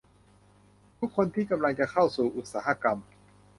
กำลังคนที่กำลังจะเข้าสู่อุตสาหกรรม